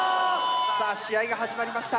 さあ試合が始まりました。